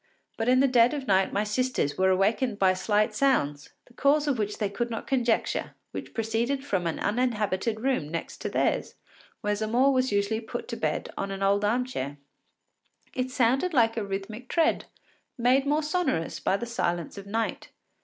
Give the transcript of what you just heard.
But in the dead of night my sisters were awakened by slight sounds, the cause of which they could not conjecture, which proceeded from an uninhabited room next theirs, where Zamore was usually put to bed on an old arm chair. It sounded like a rhythmic tread, made more sonorous by the silence of night.